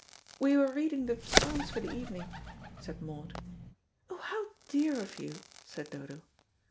"We were reading the Psalms for the evening," said Maud. "Oh, how dear of you!" said Dodo.